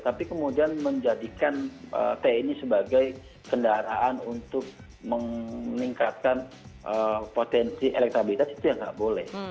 tapi kemudian menjadikan tni sebagai kendaraan untuk meningkatkan potensi elektabilitas itu yang nggak boleh